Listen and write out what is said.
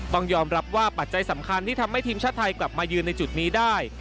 ต้องยอมรับว่าปัจจัยสำคัญที่ทำให้ทีมชาติไทยกลับมายืนในจุดนี้ได้